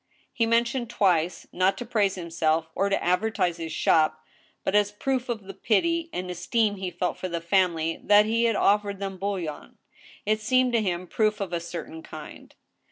He mentioned twice, not to praise himself or to advertise his shop, but as a proof of the pity and esteem he felt for the family, that he had offered them bouillon. It seemed to him proof of a cer tain kind.